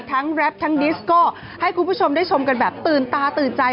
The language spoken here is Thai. แรปทั้งดิสก็ให้คุณผู้ชมได้ชมกันแบบตื่นตาตื่นใจ